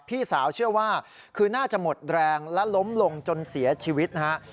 พี่สาวเชื่อว่าคือน่าจะหมดแรงและล้มลงจนเสียชีวิตนะฮะ